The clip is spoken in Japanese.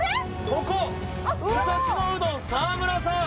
ここ武蔵野うどん澤村さん